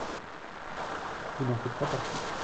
Vous n’en faites pas partie.